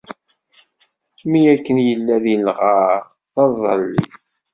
Mi akken yella di lɣar. Taẓallit.